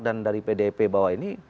dan dari pdp bawah ini